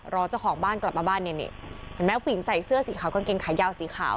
รอเจ้าของบ้านกลับมาบ้านเนี่ยนี่เห็นไหมผู้หญิงใส่เสื้อสีขาวกางเกงขายาวสีขาว